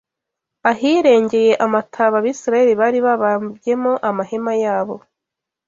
ahirengeye amataba Abisirayeli bari babambyemo amahema yabo